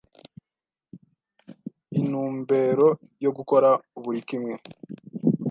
intumbero yo gukora buri kimwe